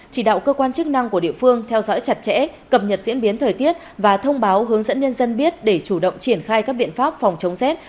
chỉ đạo cơ quan chức năng của địa phương theo dõi chặt chẽ cập nhật diễn biến thời tiết và thông báo hướng dẫn nhân dân biết để chủ động triển khai các biện pháp phòng chống rét